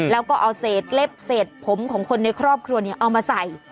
แล้วก็เอาเศษเล็บเศษผมของคนในครอบครัวเอามาใส่